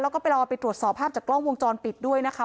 แล้วก็ไปรอไปตรวจสอบภาพจากกล้องวงจรปิดด้วยนะคะ